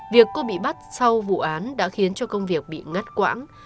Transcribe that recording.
việc cô bị bắt sau vụ án đã khiến cho công việc bị ngất quãng